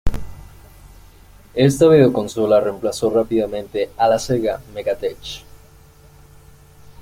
Esta videoconsola reemplazó rápidamente a la Sega Mega-Tech.